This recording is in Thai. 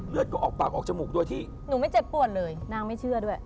ออกปากออกจมูกโดยที่หนูไม่เจ็บปวดเลยนางไม่เชื่อด้วย